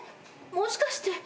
もしかして。